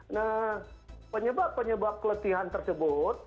nah penyebab penyebab keletihan tersebut